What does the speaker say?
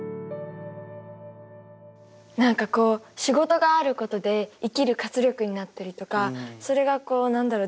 何かこう仕事があることで生きる活力になってるとかそれがこう何だろう